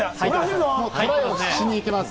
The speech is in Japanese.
トライをしに行きます。